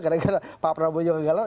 karena pak prabowo juga galau